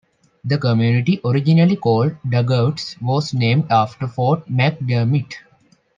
The community, originally called Dugout, was named after Fort McDermit.